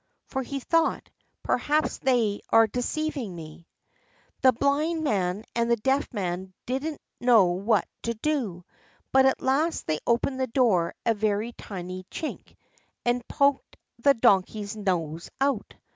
(For he thought: "Perhaps they are deceiving me.") The Blind Man and the Deaf Man didn't know what to do; but at last they opened the door a very tiny chink and poked the Donkey's nose out.